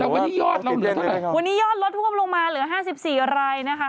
วันนี้ยอดลดหุ้มลงมาเหลือ๕๔ไรนะคะ